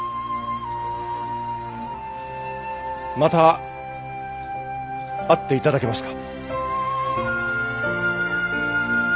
また会って頂けますか？